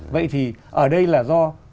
vậy thì ở đây là do